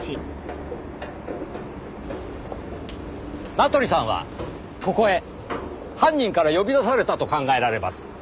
名取さんはここへ犯人から呼び出されたと考えられます。